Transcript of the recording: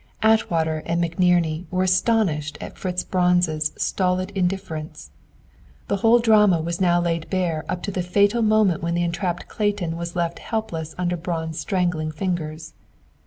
Atwater and McNerney were astonished at Fritz Braun's stolid indifference. The whole drama was now laid bare up to the fatal moment when the entrapped Clayton was left helpless under Braun's strangling fingers.